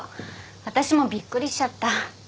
私もびっくりしちゃった。